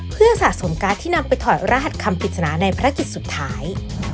เพื่อสะสมการ์ดที่นำไปถอดรหัสคำปริศนาในภารกิจสุดท้าย